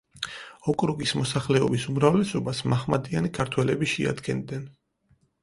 ოკრუგის მოსახლეობის უმრავლესობას მაჰმადიანი ქართველები შეადგენდნენ.